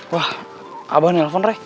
wah abah nelfon rey